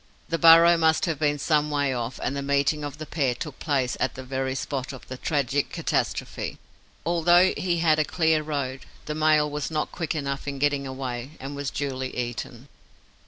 The burrow must have been some way off; and the meeting of the pair took place at the very spot of the tragic catastrophe. Although he had a clear road, the male was not quick enough in getting away and was duly eaten.